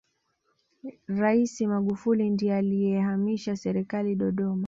raisi magufuli ndiye aliyehamishia serikali dodoma